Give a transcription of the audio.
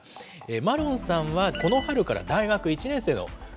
マロンさんはこの春から大学１年生の娘さんがいる。